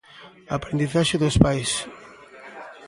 A aprendizaxe dos pais.